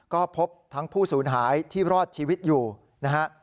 ก็พบทั้งผู้สูญหายที่รอดชีวิตอยู่นะฮะ